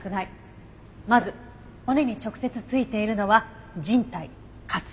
まず骨に直接ついているのは靱帯滑膜。